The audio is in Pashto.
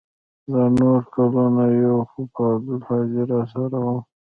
دا نور کلونه يو خو به عبدالهادي راسره و.